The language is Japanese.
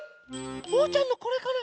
おうちゃんのこれかな？